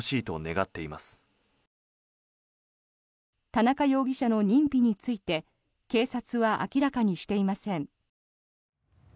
田中容疑者の認否について警察は明らかにしていません。